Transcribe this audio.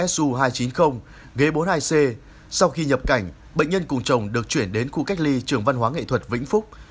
su hai trăm chín mươi ghế bốn mươi hai c sau khi nhập cảnh bệnh nhân cùng chồng được chuyển đến khu cách ly trường văn hóa nghệ thuật vĩnh phúc